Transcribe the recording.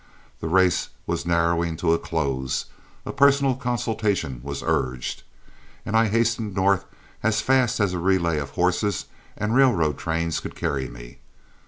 The race was narrowing to a close, a personal consultation was urged, and I hastened north as fast as a relay of horses and railroad trains could carry me.